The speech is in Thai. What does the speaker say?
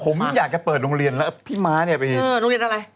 ผมอยากจะเปิดโรงเรียนแล้วพี่ม้าเนี่ยไปโรงเรียนอะไร